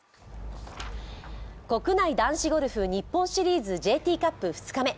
国内男子ゴルフ、日本シリーズＪＴカップ２日目。